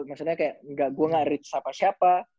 misalnya kayak gue gak reach siapa siapa